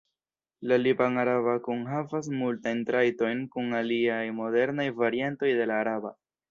La liban-araba kunhavas multajn trajtojn kun aliaj modernaj variantoj de la araba.